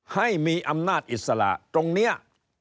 ให้มีอำนาจอิสระตรงนี้